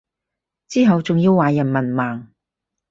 之後仲要話人文盲